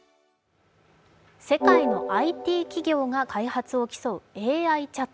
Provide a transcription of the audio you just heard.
世界のＩＴ企業が開発を競うＡＩチャット。